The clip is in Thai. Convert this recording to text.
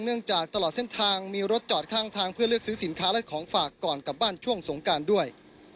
จากตลอดเส้นทางมีรถจอดข้างทางเพื่อเลือกซื้อสินค้าและของฝากก่อนกลับบ้านช่วงสงการด้วย